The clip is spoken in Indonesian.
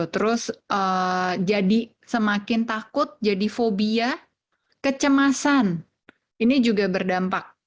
terus jadi semakin takut jadi fobia kecemasan ini juga berdampak